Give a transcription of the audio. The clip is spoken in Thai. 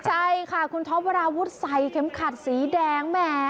ใช่ค่ะคุณท็อปวราวุฒิใส่เข็มขัดสีแดงแหม